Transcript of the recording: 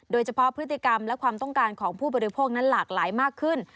โดยเฉพาะพฤติกรรมและความต้องการของผู้บริโภคนั้นหลากหลายมากขึ้น